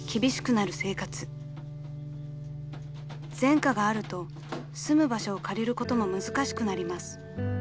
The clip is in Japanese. ［前科があると住む場所を借りることも難しくなります］